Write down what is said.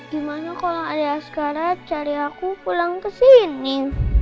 gimana kalau ada askara cari aku pulang kesini